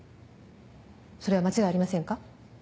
それは間違いありませんか？